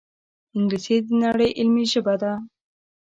انګلیسي د نړۍ علمي ژبه ده